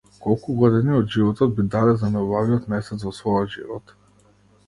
Колку години од животот би дале за најубавиот месец во својот живот?